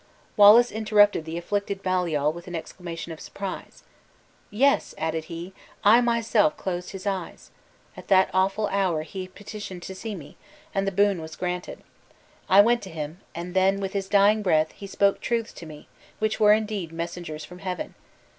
Wallace interrupted the afflicted Baliol with an exclamation of surprise. "Yes," added he, "I myself closed his eyes. At that awful hour he had petitioned to see me, and the boon was granted. I went to him, and then, with his dying breath, he spoke truths to me, which were indeed messengers from Heaven!